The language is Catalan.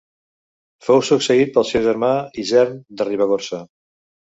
Fou succeït pel seu germà Isern de Ribagorça.